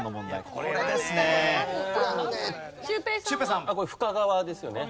これ深川ですよね。